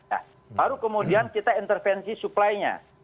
nah baru kemudian kita intervensi suplainya